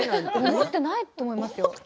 思っていないと思いますよ。